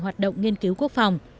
hoạt động nghiên cứu quốc phòng